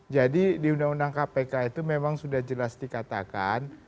jadi di undang undang kpk itu memang sudah jelas dikatakan